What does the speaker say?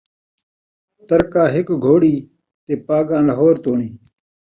ترکہ ہک گھوڑی تے پاڳاں لہور توڑیں